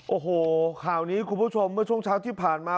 โอ้โหข่าวนี้คุณผู้ชมเมื่อช่วงเช้าที่ผ่านมา